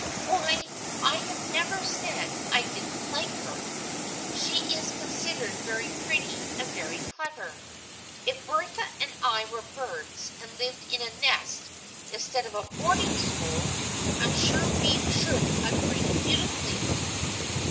" Why, I have never said I didn't like her ! She is considered very pretty and very clever. If Bertha and I were birds and lived in a nest instead of a boarding school I am sure we should agree beautifully."